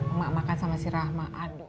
emak makan sama si rahma adu